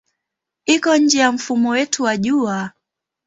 Iko nje ya mfumo wetu wa Jua.